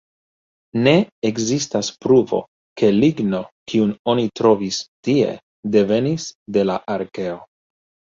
Ne ekzistas pruvo, ke ligno, kiun oni trovis tie, devenis de la arkeo.